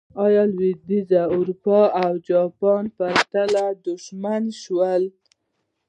ایا لوېدیځه اروپا او جاپان په پرتله شتمن شول.